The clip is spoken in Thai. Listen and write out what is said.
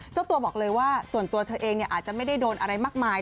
เจ้าตัวบอกเลยว่าส่วนตัวเธอเองอาจจะไม่ได้โดนอะไรมากมาย